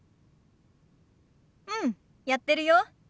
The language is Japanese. うんやってるよ。